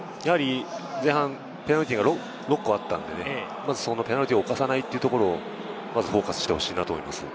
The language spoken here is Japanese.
前半ペナルティーが６個あったんで、ペナルティーを犯さないというところにフォーカスしてほしいなと思います。